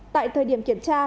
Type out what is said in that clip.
tại thời điểm kiểm tra